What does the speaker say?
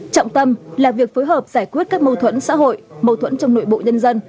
trọng tâm là việc phối hợp giải quyết các mâu thuẫn xã hội mâu thuẫn trong nội bộ nhân dân